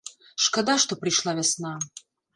Шкада, што прыйшла вясна.